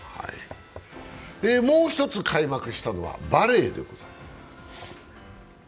もう一つ開幕したのはバレーでございます。